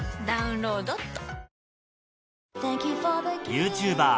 ＹｏｕＴｕｂｅｒ